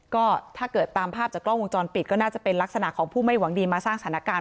ก็ถ้าเกิดตามภาพจากกล้องวงจรปิดก็น่าจะเป็นลักษณะของผู้ไม่หวังดีมาสร้างสถานการณ์